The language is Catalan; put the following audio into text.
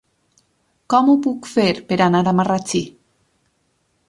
Com ho puc fer per anar a Marratxí?